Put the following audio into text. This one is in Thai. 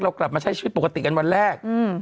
กลับมาใช้ชีวิตปกติกันวันแรก